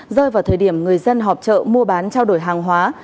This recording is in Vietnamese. rơi vào thời điểm người dân họp chợ mua bán trao đổi hàng hóa